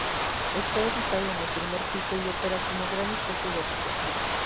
Está ubicado en el primer piso, y opera como gran espacio de recepción.